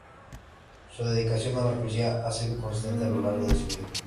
Su dedicación a la poesía ha sido constante a lo largo de su vida.